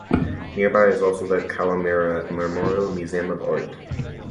Nearby is also the Kawamura Memorial Museum of Art.